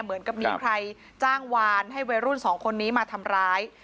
เหมือนกับมีใครจ้างวานให้วัยรุ่นสองคนนี้มาทำร้าย